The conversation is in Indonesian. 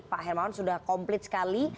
pak hermawan sudah komplit sekali